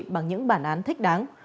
bằng những bản án thích đáng